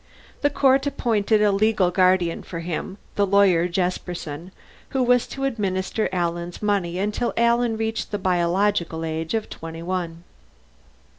The court appointed a legal guardian for him, the lawyer Jesperson, who was to administer Alan's money until Alan reached the biological age of twenty one.